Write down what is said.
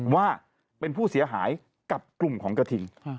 ว่าเป็นผู้เสียหายกับกลุ่มของกระทิง